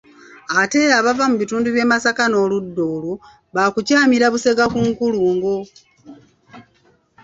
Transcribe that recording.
Ate abava mu bitundu by'e Masaka n'oludda olwo baakukyamira Busega ku nkulungo